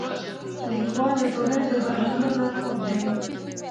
لیکوال د ټولنې د بدلونونو لارښود دی.